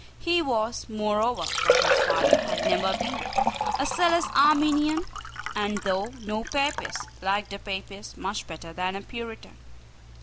He was, moreover, what his father had never been, a zealous Arminian, and, though no Papist, liked a Papist much better than a Puritan.